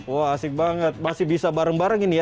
wah asik banget masih bisa bareng bareng ini ya